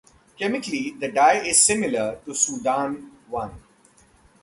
Chemically, the dye is similar to Sudan I.